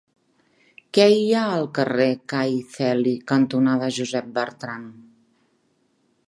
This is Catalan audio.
Què hi ha al carrer Cai Celi cantonada Josep Bertrand?